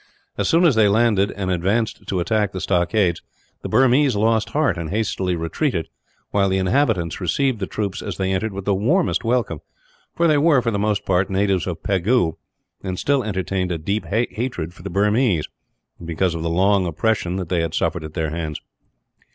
As soon as they landed, and advanced to attack the stockades, the Burmese lost heart and hastily retreated; while the inhabitants received the troops as they entered with the warmest welcome for they were, for the most part, natives of Pegu, and still entertained a deep hatred for the Burmese, because of the long oppression that they had suffered at their hands.